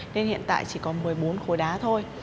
nên hiện tại chỉ có một mươi bốn khối đá thôi